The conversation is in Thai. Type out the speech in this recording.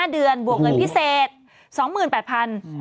๕เดือนบวกเงินพิเศษ๒๘๐๐บาท